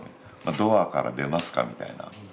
「ドアから出ますか」みたいな。